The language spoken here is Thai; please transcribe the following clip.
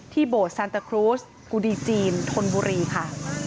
ที่โบสถ์แซนตาครูสกูดีจีนทนบุรีค่ะ